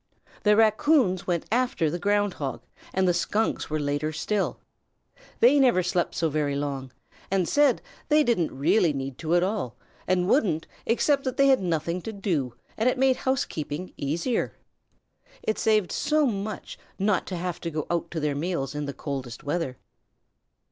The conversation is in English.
The Raccoons went after the Ground Hog and the Skunks were later still. They never slept so very long, and said they didn't really need to at all, and wouldn't except that they had nothing to do and it made housekeeping easier. It saved so much not to have to go out to their meals in the coldest weather.